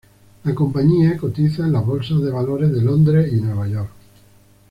La compañía cotiza en las bolsas de valores de Londres y Nueva York.